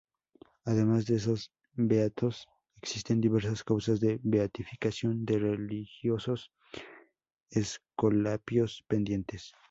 Además de esos beatos, existen diversas causas de beatificación de religiosos escolapios pendientes.